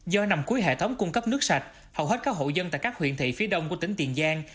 do nằm cuối hệ thống cung cấp nước sạch hầu hết các hộ dân tại các huyện thị phía đông của tỉnh tiền giang